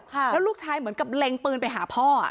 แล้วลูกชายเหมือนกับเล็งปืนไปหาพ่อ